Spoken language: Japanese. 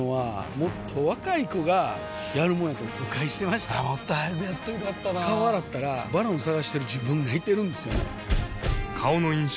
もっと早くやっといたら良かったなぁ顔洗ったら「ＶＡＲＯＮ」探してる自分がいてるんですよね